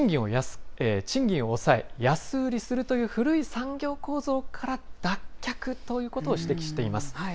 賃金を抑え、安売りするという古い産業構造から脱却ということを指摘しています。